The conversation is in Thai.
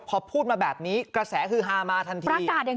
พอพูดมาแบบนี้กระแสฮือฮามาทันที